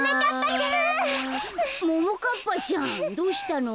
ももかっぱちゃんどうしたの？